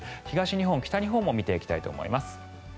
東日本、北日本も見ていきたいと思います。